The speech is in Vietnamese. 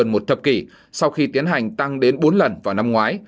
một thập kỷ sau khi tiến hành tăng đến bốn lần vào năm ngoái